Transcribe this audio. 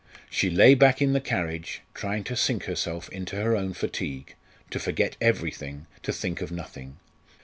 She lay back in the carriage, trying to sink herself in her own fatigue, to forget everything, to think of nothing.